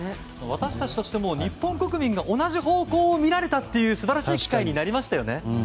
私たちとしても日本国民が同じ方向を見られたという素晴らしい機会になりましたね。